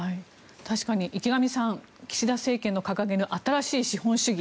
確かに池上さん岸田政権の掲げる新しい資本主義。